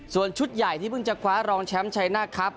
ส่วนชุดใหญ่ที่เพิ่งจะคว้ารองแชมป์ชัยหน้าครับ